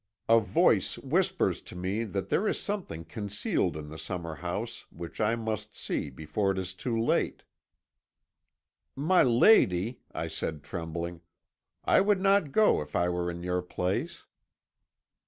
'A voice whispers to me that there is something concealed in the summer house which I must see before it is too late.' "'My lady,' I said, trembling, 'I would not go if I were in your place.'